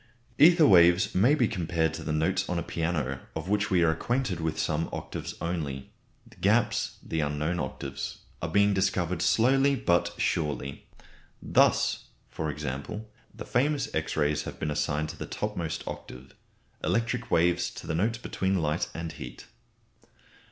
Ether waves may be compared to the notes on a piano, of which we are acquainted with some octaves only. The gaps, the unknown octaves, are being discovered slowly but surely. Thus, for example, the famous X rays have been assigned to the topmost octave; electric waves to the notes between light and heat.